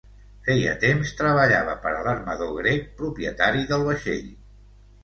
Feia temps treballava per a l’armador grec propietari del vaixell.